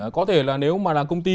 có thể là nếu mà là công ty